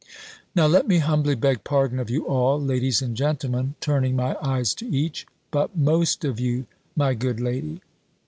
"Now let me humbly beg pardon of you all, ladies and gentlemen," turning my eyes to each; "but most of you, my good lady."